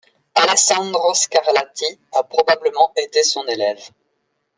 Alessandro Scarlatti a probablement été son élève.